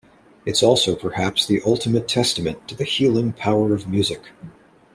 It's also perhaps the ultimate testament to the healing power of music.